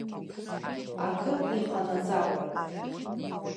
Акы иҟанаҵароуп.